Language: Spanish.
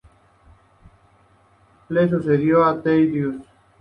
Le sucedió Teudis.